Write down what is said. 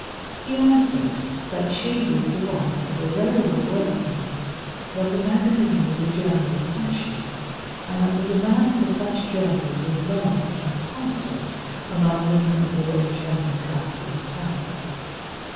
He answered that she was the wife of a railway workman, that the magazine was a journal of fashions, and that the demand for such journals was large and constant among women of the wage earning class in the town.